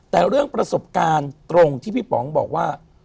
แต่เรื่องประสบการณ์ตรงที่พี่ป๋องบอกว่า